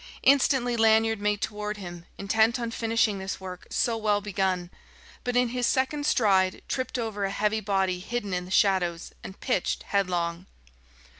Instantly Lanyard made toward him, intent on finishing this work so well begun, but in his second stride tripped over a heavy body hidden in the shadows, and pitched headlong.